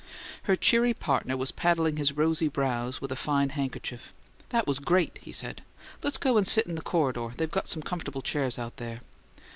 Her cheery partner was paddling his rosy brows with a fine handkerchief. "That was great!" he said. "Let's go out and sit in the corridor; they've got some comfortable chairs out there."